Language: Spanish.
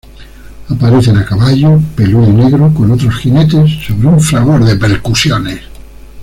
Aparece a caballo, peludo y negro, con otros jinetes, sobre un fragor de percusiones.